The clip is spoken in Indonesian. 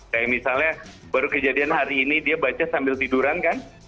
kayak misalnya baru kejadian hari ini dia baca sambil tiduran kan